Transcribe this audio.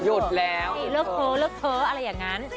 หยุดแล้วนี่เลิกเพ้อเลิกเพ้ออะไรอย่างนั้น